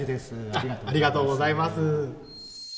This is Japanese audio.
ありがとうございます。